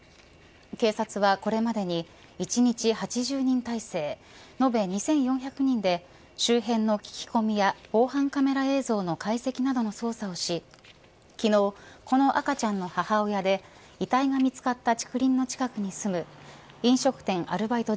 警察はこれまでに１日８０人体制延べ２４００人で周辺の聞き込みや防犯カメラ映像の解析などの操作をし昨日、この赤ちゃんの母親で遺体が見つかった竹林の近くに住む飲食店アルバイト